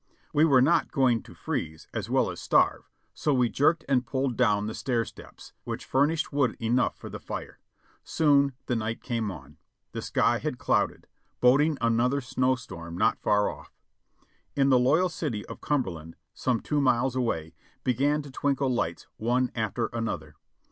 We were not going to freeze as well as starve, so we jerked and pulled down the stair steps, which furnished food enough for the fire. Soon the night came on ; the sky had 500 JOHNNY REB AND BIIvL Y YANK clouded, boding another snow storm not far off. In the loyal city of Cumberland, some two miles away, began to twinkle lights one after another.